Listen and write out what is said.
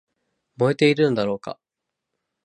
燃えているんだろうか